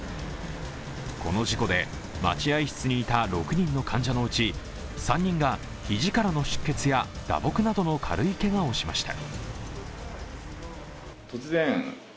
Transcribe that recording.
この事故で待合室にいた６人の患者のうち３人が肘からの出血や打撲などの軽いけがをしました。